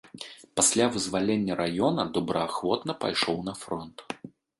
Пасля вызвалення раёна добраахвотна пайшоў на фронт.